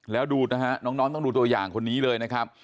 แล้วดูนะฮะน้องต้องดูตัวอย่างคนนี้เลยนะครับ